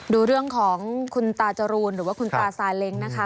ดูเรื่องของคุณตาจรูนหรือว่าคุณตาซาเล้งนะคะ